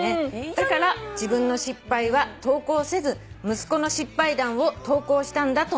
「だから自分の失敗は投稿せず息子の失敗談を投稿したんだと思います」